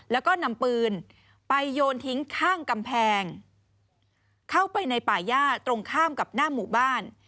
แล้วก็นำปืนไปโยนทิ้งข้างกำแพงเข้าไปในป่าย่าตรงข้ามกับหน้าหมู่บ้าน